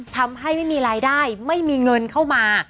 ทำให้ไม่มีรายได้ไม่มีเงินเข้ามา